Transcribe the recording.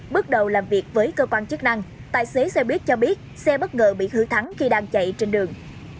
bước đầu làm việc với cơ quan chức năng tài xế xe buýt cho biết xe bất ngờ bị hư thắng khi đang chạy trên đường